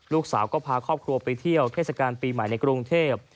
ลูกสาวก็พาครอบครัวไปเที่ยวเทศกาลปีใหม่ในกรุงเทพ